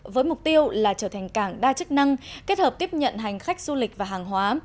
với mục tiêu là trở thành cảng đa chức năng kết hợp tiếp nhận hành khách du lịch và hàng hóa